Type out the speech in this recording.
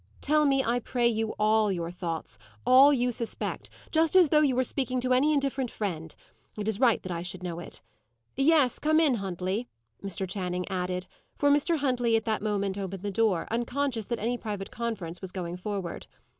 "Tell me, I pray you, all your thoughts all you suspect: just as though you were speaking to any indifferent friend. It is right that I should know it. Yes, come in, Huntley," Mr. Channing added, for Mr. Huntley at that moment opened the door, unconscious that any private conference was going forward.